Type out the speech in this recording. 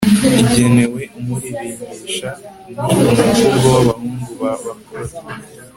igenewe umuririmbisha. ni umuvugo w'abahungu ba kore